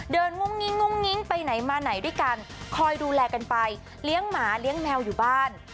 มุ่งงิ้งงุ้งงิ้งไปไหนมาไหนด้วยกันคอยดูแลกันไปเลี้ยงหมาเลี้ยงแมวอยู่บ้าน